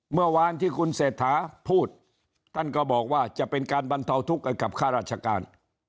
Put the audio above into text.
เมื่อวานที่คุณเศรษฐาพูดท่านก็บอกว่าจะเป็นการบรรเทาทุกข์กับข้าราชการ